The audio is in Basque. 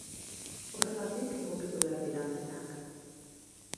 Horregatik egokitu behar dira antenak.